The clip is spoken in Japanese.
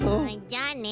じゃあね。